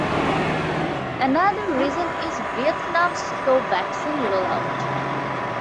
Another reason is Vietnam’s slow vaccine rollout.